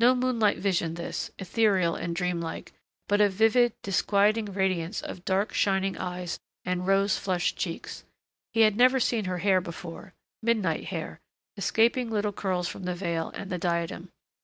No moonlight vision this, ethereal and dream like, but a vivid, disquieting radiance of dark, shining eyes and rose flushed cheeks. He had never seen her hair before, midnight hair, escaping little curls from the veil and the diadem.